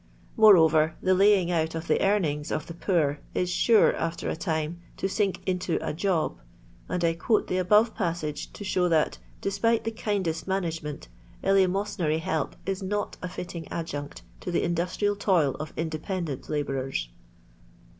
Moreover, the laying out of the earnings of the poor is sure, after a time, to sink into *'a job;" and I quote the above passage to show that, despite the kindest management, eleemosynary help is not a fitting adjunct to the industrial toil of independ ent labourers.